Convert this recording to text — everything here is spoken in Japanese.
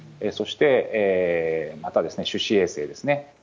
そしてまた、手指衛生ですね。